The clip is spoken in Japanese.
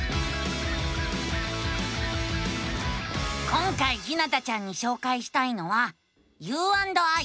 今回ひなたちゃんにしょうかいしたいのは「ｕ＆ｉ」。